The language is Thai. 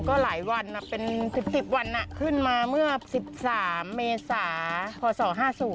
ก็หลายวันเป็น๑๐วันขึ้นมาเมื่อ๑๓เมษาพศ๕๐